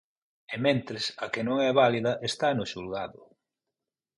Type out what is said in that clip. E mentres, a que non é válida está no xulgado.